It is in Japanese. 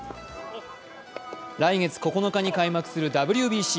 来月９日に開幕するＷＢＣ。